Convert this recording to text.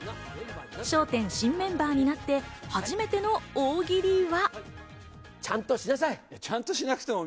『笑点』新メンバーになって初めての大喜利は。